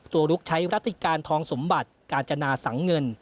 ลุกใช้รัติการทองสมบัติกาญจนาสังเงิน